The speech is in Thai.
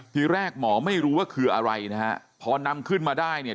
ทีแรกหมอไม่รู้ว่าคืออะไรนะฮะพอนำขึ้นมาได้เนี่ย